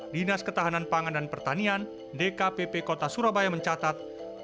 dinas ketahanan pangan dan pertanian dkpp kota surabaya mencatat